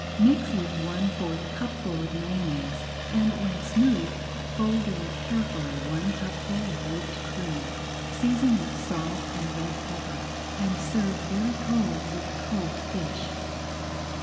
Mix with one fourth cupful of Mayonnaise, and when smooth fold in carefully one cupful of whipped cream. Season with salt and red pepper and serve very cold with cold fish.